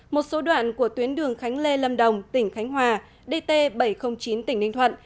một số đoạn của tuyến đường khánh lê lâm đồng tỉnh khánh hòa dt bảy trăm linh chín tỉnh ninh thuận